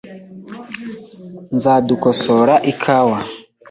Nzadukosora ikawa .